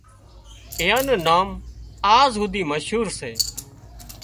اينئان نام آز هوڌي مشهور سي